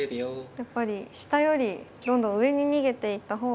やっぱり下よりどんどん上に逃げていった方が。